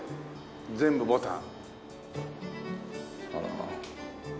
全部ボタン。